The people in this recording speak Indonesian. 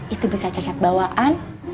itu bisa cacat bawaan